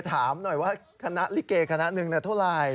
ถามหน่อยว่าฯคณะลิเกย์นะครับเท่าไหร่